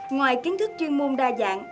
ngoài kiến thức chuyên môn đa dạng